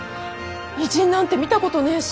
異人なんて見たことねぇし。